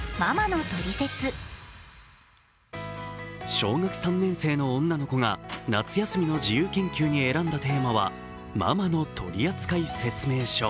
小学３年生の女の子が夏休みの自由研究に選んだテーマはママの取扱説明書。